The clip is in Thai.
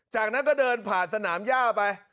จากนั้นก็เดินผ่านสนามย่าไป